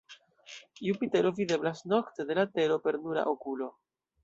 Jupitero videblas nokte de la Tero per nura okulo.